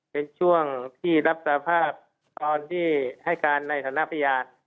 เป็นช่วงที่รับสภาพตอนที่ให้การในฐานะพยาน